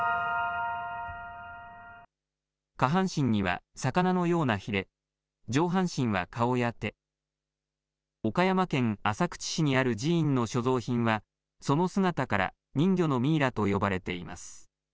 下半身には魚のようなひれ、上半身は顔や手、岡山県浅口市にある寺院の所蔵品は、その姿から、人魚のミイラと呼ばれています。